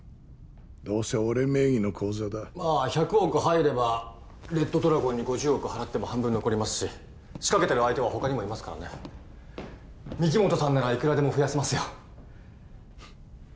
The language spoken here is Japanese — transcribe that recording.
どうせ俺名義の口座だまあ１００億入ればレッド・ドラゴンに５０億払っても半分残りますし仕掛けてる相手は他にもいますからね御木本さんならいくらでも増やせますよ